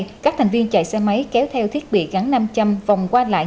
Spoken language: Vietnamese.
nhiều lần các thành viên chạy xe máy kéo theo thiết bị gắn năm trăm linh vòng qua lại